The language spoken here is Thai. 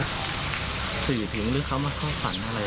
ถือถึงหรือเขามาเข้าฝันอะไรแล้วไหม